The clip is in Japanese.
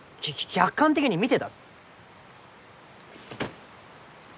客観的に見てだぞ。